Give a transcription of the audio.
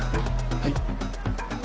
はい。